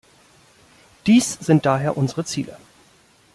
Dies sind daher unsere Ziele.